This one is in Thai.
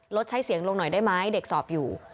ใช้เสียงลงหน่อยได้ไหมเด็กสอบอยู่